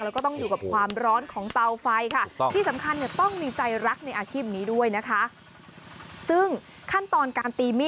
แล้วก็ต้องอยู่กับความร้อนของเตาไฟค่ะ